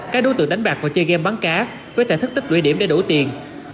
các đối tượng đánh bạc vào chơi game bắn cá với thể thức tích luyện điểm để đổ tiền